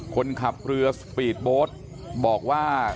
คนขับเรือสปีดโบ๊ทบอกว่า